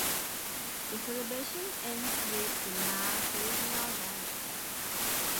The celebration ends with the now traditional dance.